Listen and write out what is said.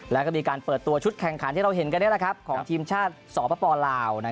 แล้วก็มีการเปิดตัวชุดแข่งขันที่เราเห็นกันของทีมชาติสปลาว